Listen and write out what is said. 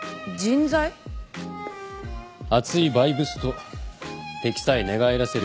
熱いバイブスと敵さえ寝返らせる